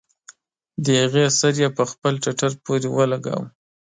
د هغې سر يې پر خپل ټټر پورې ولګاوه.